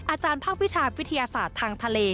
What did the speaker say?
อาจารย์ภาควิชาวิทยาศาสตร์ทางทะเล